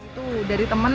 itu dari teman